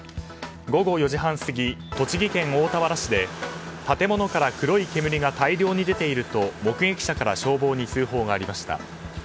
午後４時半過ぎ栃木県大田原市で建物から黒い煙が大量に出ていると目撃者から消防に通報がありました。